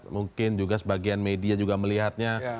mungkin juga sebagian media juga melihatnya